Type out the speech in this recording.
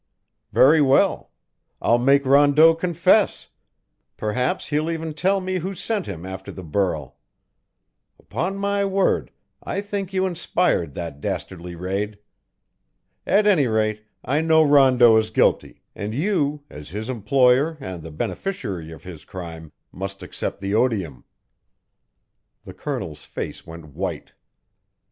"Very well. I'll make Rondeau confess; perhaps he'll even tell me who sent him after the burl. Upon my word, I think you inspired that dastardly raid. At any rate, I know Rondeau is guilty, and you, as his employer and the beneficiary of his crime, must accept the odium." The Colonel's face went white.